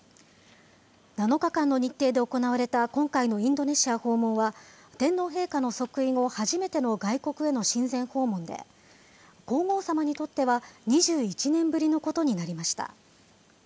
７日間の日程で行われた今回のインドネシア訪問は、天皇陛下の即位後、初めての外国への親善訪問で、皇后さまにとっては２１年ぶりのことになりました。